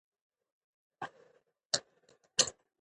د ښوونځیو د ودی لپاره ځوانان کار کوي.